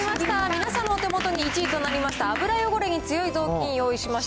皆さんのお手元に１位となりました、油汚れに強いぞうきん用意しました。